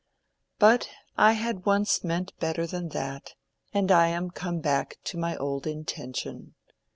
"But I had once meant better than that, and I am come back to my old intention.